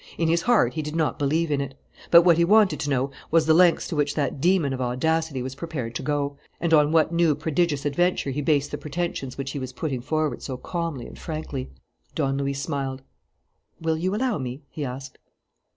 In his heart he did not believe in it. But what he wanted to know was the lengths to which that demon of audacity was prepared to go, and on what new prodigious adventure he based the pretensions which he was putting forward so calmly and frankly. Don Luis smiled: "Will you allow me?" he asked.